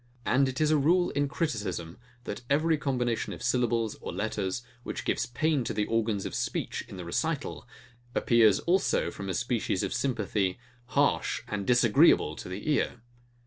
And it is a rule in criticism, that every combination of syllables or letters, which gives pain to the organs of speech in the recital, appears also from a species of sympathy harsh and disagreeable to the ear.